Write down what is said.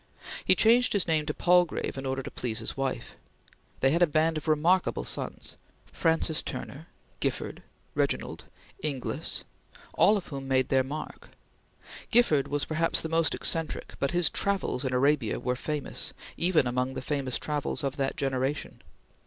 He changed his name to Palgrave in order to please his wife. They had a band of remarkable sons: Francis Turner, Gifford, Reginald, Inglis; all of whom made their mark. Gifford was perhaps the most eccentric, but his "Travels" in Arabia were famous, even among the famous travels of that generation.